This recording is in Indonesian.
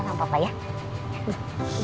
kenapa mukanya sembar